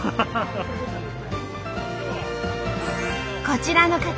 こちらの方